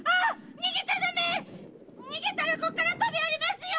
逃げちゃダメッ‼逃げたらこっから飛び降りますよ！